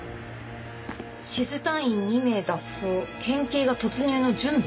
「ＳＩＳ隊員２名脱走県警が突入の準備」。